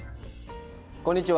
こんにちは。